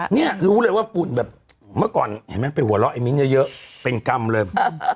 เนี่ยรู้เลยว่าฝุ่นแบบเมื่อก่อนเห็นไหมไปหัวเราะไอมิ้นเยอะเป็นกรรมเลย